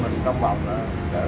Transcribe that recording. xe chân lượng cao